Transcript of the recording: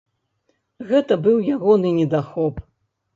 Гэта быў ягоны недахоп.